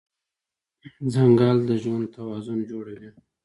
ځنګل د ژوند توازن جوړوي.